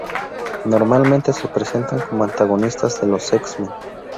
Normalmente se presentan como antagonistas de los X-Men.